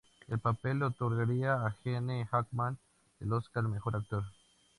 El papel le otorgaría a Gene Hackman el Oscar al Mejor Actor.